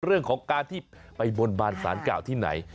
เรื่องของการที่ไปบนบานสารเก่าที่ไหน